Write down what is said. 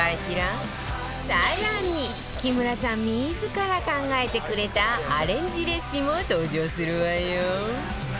更に木村さん自ら考えてくれたアレンジレシピも登場するわよ